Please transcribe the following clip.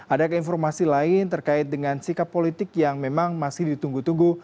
ada keinformasi lain terkait dengan sikap politik yang memang masih ditunggu tunggu